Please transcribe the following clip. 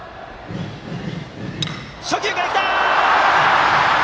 初球からきた！